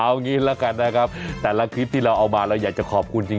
เอางี้แล้วกันนะครับแต่ละคลิปที่เราเอามาเราอยากจะขอบคุณจริง